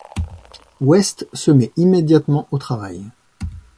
West se met immédiatement au travail.